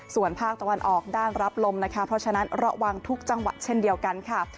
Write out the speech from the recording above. ส่วนภาคตะวันออกด้านรับลมนะคะเพราะฉะนั้นระวังทุกจังหวัดเช่นเดียวกันค่ะ